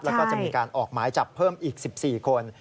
แล้วก็จะมีการออกหมายจับเพิ่มอีก๑๔คน